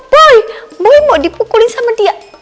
boy boleh mau dipukulin sama dia